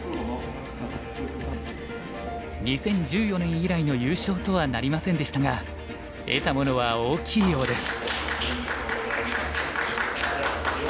２０１４年以来の優勝とはなりませんでしたが得たものは大きいようです。